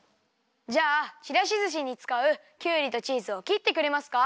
じゃあちらしずしにつかうきゅうりとチーズをきってくれますか？